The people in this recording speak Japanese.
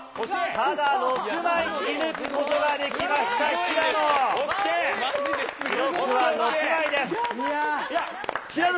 ただ、６枚射ぬくことができました、平野。